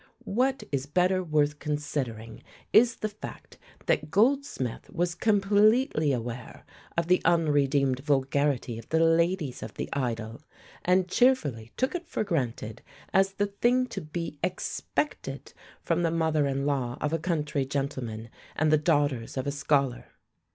What is better worth considering is the fact that Goldsmith was completely aware of the unredeemed vulgarity of the ladies of the Idyll, and cheerfully took it for granted as the thing to be expected from the mother in law of a country gentleman and the daughters of a scholar.